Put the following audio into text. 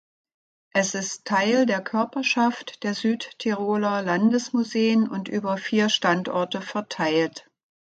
Es ist Teil der Körperschaft der Südtiroler Landesmuseen und über vier Standorte verteilt.